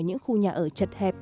những khu nhà ở chật hẹp